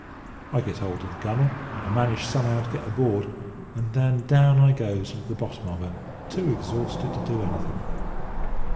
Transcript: I got hold of the gunnel, and managed somehow to get aboard, and then down I goes into the bottom of her, too exhausted to do anything.